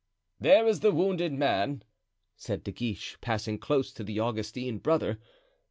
"There is the wounded man," said De Guiche, passing close to the Augustine brother.